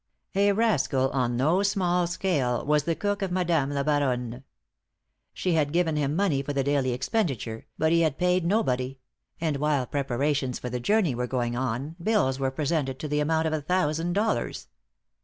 A rascal on no small scale was the cook of Madame la Baronne. She had given him money for the daily expenditure but he had paid nobody; and while preparations for the journey were going on, bills were presented to the amount of a thousand dollars.